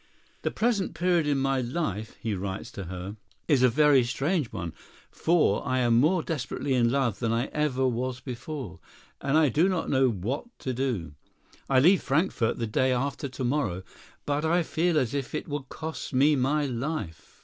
"The present period in my life," he writes to her, "is a very strange one, for I am more desperately in love than I ever was before, and I do not know what to do. I leave Frankfort the day after to morrow, but I feel as if it would cost me my life.